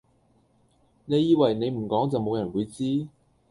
你以為你唔講就冇人會知？